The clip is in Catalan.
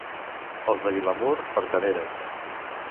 Els de Vilamur, fartaneres.